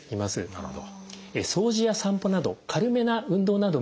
なるほど。